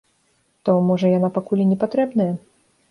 То, можа, яна пакуль і не патрэбная?